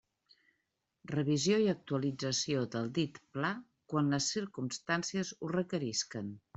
Revisió i actualització del dit pla quan les circumstàncies ho requerisquen.